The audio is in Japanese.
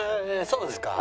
そうですか。